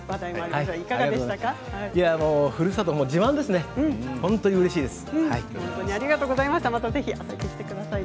ふるさとは自慢です。